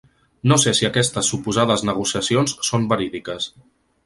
No sé si aquestes suposades negociacions són verídiques.